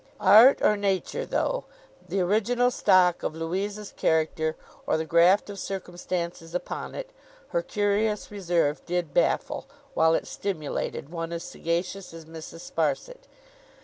Art or nature though, the original stock of Louisa's character or the graft of circumstances upon it,—her curious reserve did baffle, while it stimulated, one as sagacious as Mrs. Sparsit.